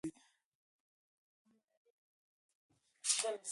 مالی سرچینې د کورنۍ د اړتیاوو لپاره برابرېږي.